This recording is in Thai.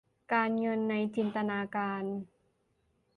การเงินในจินตนาการ